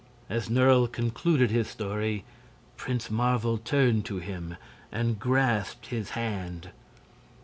As Nerle concluded his story Prince Marvel turned to him and grasped his hand.